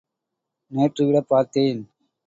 நேற்று விடப் பார்த்தேன்.